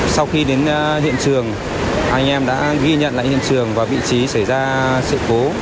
sau khi đến hiện trường anh em đã ghi nhận lại hiện trường và vị trí xảy ra sự cố